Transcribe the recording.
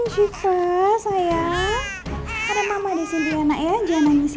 syifa sayang ada mama di sini ya nak ya jangan nangis ya